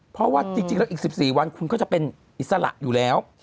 เพราะว่าจริงแล้วอีก๑๔วันคุณก็จะเป็นอิสระอยู่แล้ว